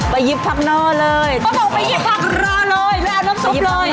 ไปยิบผักรอเลย